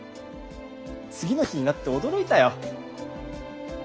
次の日になって驚いたよ。